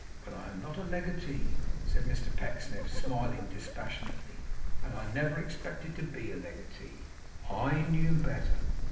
But I am not a legatee,' said Mr Pecksniff, smiling dispassionately; 'and I never expected to be a legatee. I knew better!